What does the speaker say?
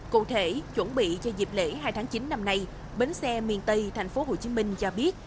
cụ thể chuẩn bị cho dịp lễ hai tháng chín năm nay bến xe miền tây tp hcm cho biết